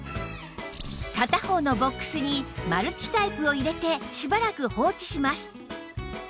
片方のボックスにマルチタイプを入れてしばらく放置します